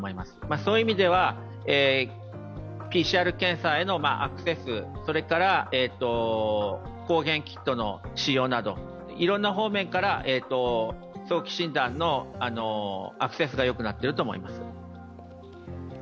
そういう意味ではＰＣＲ検査へのアクセス、抗原キットの使用などいろいろな方面から早期診断のアクセスがよくなっていると思います。